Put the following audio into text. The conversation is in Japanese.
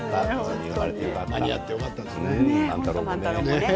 間に合ってよかったですね。